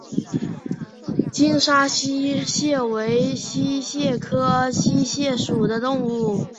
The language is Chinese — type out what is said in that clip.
金平溪蟹为溪蟹科溪蟹属的动物。